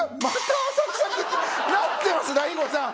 なってます大悟さん。